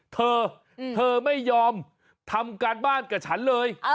เธอเธอไม่ยอมทำการบ้านกับฉันเลย